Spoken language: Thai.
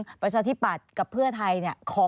สวัสดีครับทุกคน